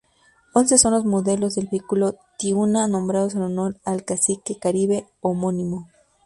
Once son los modelos del vehículo Tiuna nombrados en honor al cacique caribe homónimo.